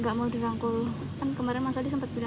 tetap mau diluar pemerintahan berarti